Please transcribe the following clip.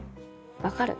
分かる？